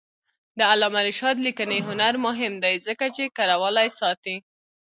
د علامه رشاد لیکنی هنر مهم دی ځکه چې کرهوالي ساتي.